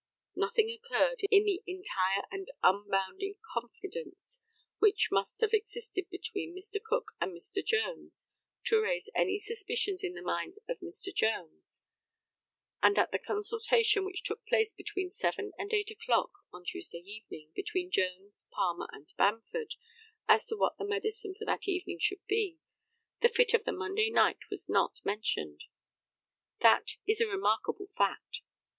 Nothing occurred, in the entire and unbounded confidence which must have existed between Mr. Cook and Mr. Jones, to raise any suspicions in the mind of Mr. Jones; and at the consultation which took place between seven and eight o'clock on Tuesday evening, between Jones, Palmer, and Bamford, as to what the medicine for that evening should be, the fit of the Monday night was not mentioned. That is a remarkable fact.